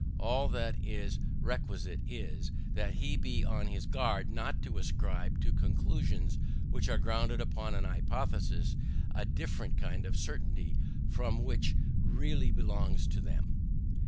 All that is requisite is, that he be on his guard not to ascribe to conclusions which are grounded upon an hypothesis a different kind of certainty from that which really belongs to them.